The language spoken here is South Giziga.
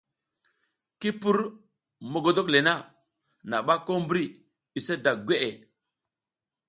Ki pur mogodok le na, naɓa ko mbri use da gweʼe.